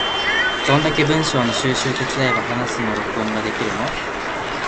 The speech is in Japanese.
どんだけ文章の収集手伝えば話すの録音ができるの？